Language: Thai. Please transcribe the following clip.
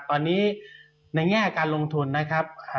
ตอนนี้ในแง่การลงทุนนะครับ